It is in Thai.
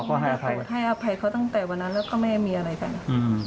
ก็ให้อภัยให้อภัยเขาตั้งแต่วันนั้นแล้วก็ไม่ได้มีอะไรกันอืม